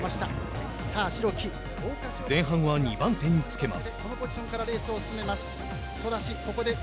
前半は２番手につけます。